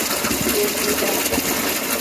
Dogbedaa.